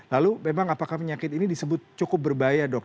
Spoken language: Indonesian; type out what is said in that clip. lalu memang apakah penyakit ini disebut cukup berbahaya dok